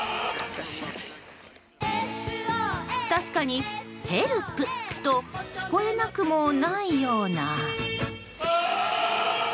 確かに、ヘルプと聞こえなくもないような。